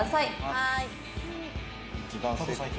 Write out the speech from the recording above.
はい。